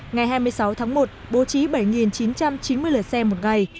ngày hai mươi bảy tháng một bố trí năm bốn trăm sáu mươi một lượt xe một ngày